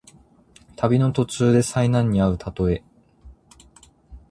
旅の途中で災難にあうたとえ。